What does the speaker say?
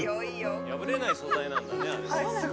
破れない素材なんだねあれね。